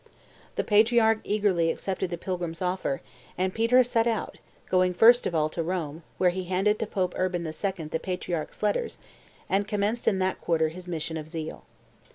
'" The patriarch eagerly accepted the pilgrim's offer; and Peter set out, going first of all to Rome, where he handed to Pope Urban II. the patriarch's letters, and commenced in that quarter his mission of zeal.